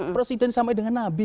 presiden sampai dengan nabi